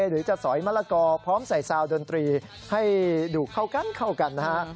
หรือจะสอยมะละกอพร้อมใส่ซาวดนตรีให้ดูเข้ากันเข้ากันนะฮะ